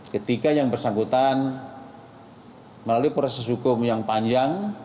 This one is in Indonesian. ketika yang bersangkutan melalui proses hukum yang panjang